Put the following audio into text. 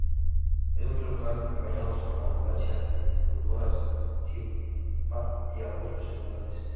Es muy local en bañados con abundancia de totoras "Typha" y arbustos circundantes.